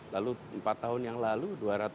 lalu empat tahun yang lalu dua ratus tiga puluh satu